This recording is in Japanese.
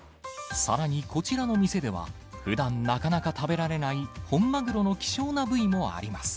さらにこちらの店では、ふだんなかなか食べられない、本マグロの希少な部位もあります。